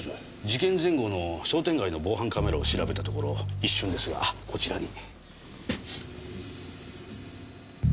事件前後の商店街の防犯カメラを調べたところ一瞬ですがこちらに。